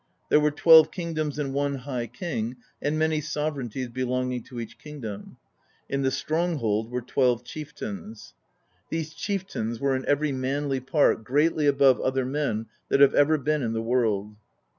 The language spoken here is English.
There were twelve kingdoms and one High King, and many sovereign ties belonged to each kingdom; in the stronghold were twelve chieftains. These chieftains were in every manly part greatly above other men that have ever been in the world.